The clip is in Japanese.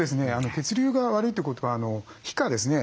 血流が悪いってことは皮下ですね